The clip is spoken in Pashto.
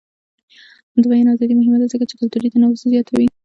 د بیان ازادي مهمه ده ځکه چې کلتوري تنوع زیاتوي.